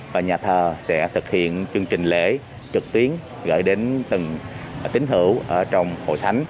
và nhà thờ sẽ thực hiện chương trình lễ trực tuyến gửi đến từng tính hữu ở trong hội thánh